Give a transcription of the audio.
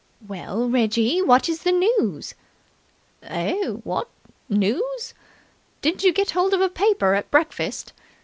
"Well, Reggie, what is the news?" "Eh? What? News? Didn't you get hold of a paper at breakfast?